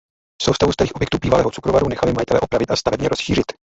Soustavu starých objektů bývalého cukrovaru nechali majitelé opravit a stavebně rozšířit.